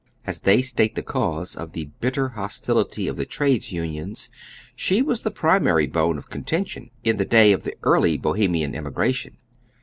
As they state the cause of the bitter hostility of the trades unions, she was the primary bone of contention in the day of the early Bohemian immigration.